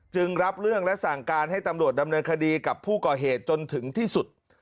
รับเรื่องและสั่งการให้ตำรวจดำเนินคดีกับผู้ก่อเหตุจนถึงที่สุด